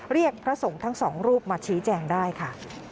พระสงฆ์ทั้งสองรูปมาชี้แจงได้ค่ะ